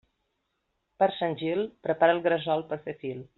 Per Sant Gil, prepara el gresol per fer fil.